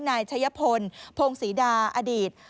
นายชัยพลพงศรีดาอดีต